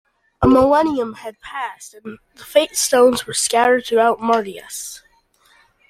A millennium had passed, and the Fatestones were scattered throughout Mardias.